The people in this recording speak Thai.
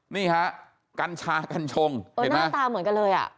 นี่คะกัญชากัญชงเห็นไหมหน้าตาเหมือนกันเลย